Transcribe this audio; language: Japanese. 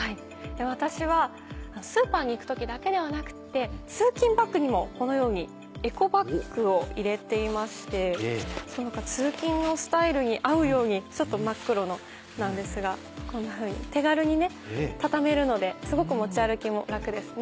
私はスーパーに行く時だけではなくて通勤バッグにもこのようにエコバッグを入れていまして通勤のスタイルに合うようにちょっと真っ黒のなんですがこんなふうに手軽に畳めるのですごく持ち歩きも楽ですね。